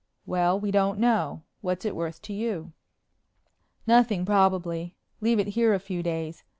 "Well, we don't know. What's it worth to you?" "Nothing probably. Leave it here a few days.